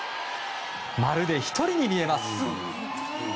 まるで１人に見えます。